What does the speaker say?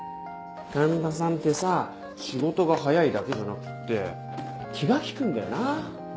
環田さんってさ仕事が早いだけじゃなくって気が利くんだよな。